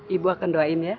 ibu akan doain ya